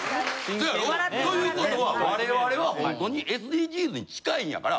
せやろ？という事は我々はホントにＳＤＧｓに近いんやから。